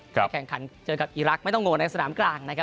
แข่งขันเจอกับอีรักษ์ไม่ต้องโง่ในสนามกลางนะครับ